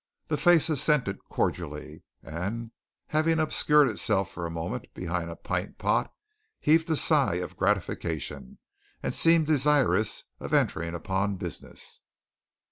The face assented cordially, and having obscured itself for a moment behind a pint pot, heaved a sigh of gratification, and seemed desirous of entering upon business.